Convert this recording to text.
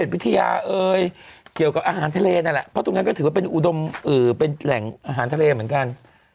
เพราะตรงนั้นก็ถือว่าเป็นอุดมเป็นแหล่งอาหารทะเลเหมือนกัน